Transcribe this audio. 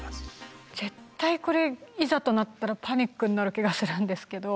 絶対これいざとなったらパニックになる気がするんですけど。